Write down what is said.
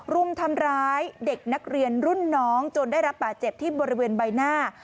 รุมทำร้ายเด็กนักเรียนรุ่นน้องจนได้รับบาดเจ็บที่บริเวณใบหน้า